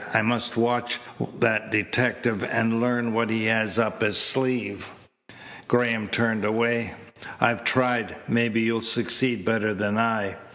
I must watch that detective and learn what he has up his sleeve." Graham turned away. "I've tried. Maybe you'll succeed better than I."